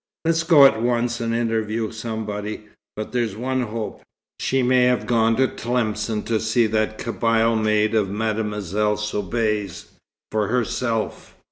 "Let's go at once and interview somebody. But there's one hope. She may have gone to Tlemcen to see that Kabyle maid of Mademoiselle Soubise, for herself.